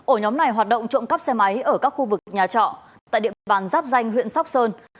ổ nhóm này hoạt động trộm cắp xe máy ở các khu vực nhà trọ tại địa bàn giáp danh huyện sóc sơn